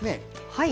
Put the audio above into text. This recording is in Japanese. はい。